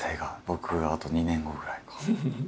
僕あと２年後ぐらいか。